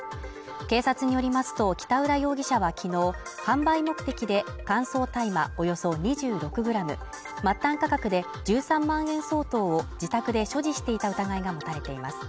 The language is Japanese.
警察によりますと北浦容疑者はきのう販売目的で乾燥大麻およそ２６ｇ、末端価格で１３万円相当を自宅で所持していた疑いが持たれています。